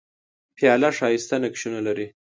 پیاله ښايسته نقشونه لري.